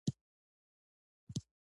زموږ تڼاکو او زخمونوته ملهم، ملهم